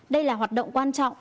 đây là hoạt động quan trọng